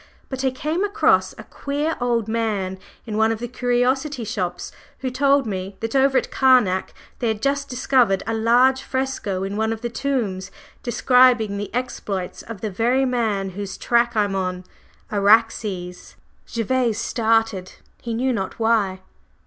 But I came across a queer old man in one of the curiosity shops who told me that over at Karnak they had just discovered a large fresco in one of the tombs describing the exploits of the very man whose track I'm on Araxes …" Gervase started, he knew not why.